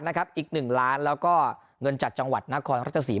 นะครับอีกหนึ่งล้านแล้วก็เงินจากจังหวัดนครรัฐสี